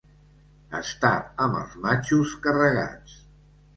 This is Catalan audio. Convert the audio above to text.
Estar amb els matxos carregats.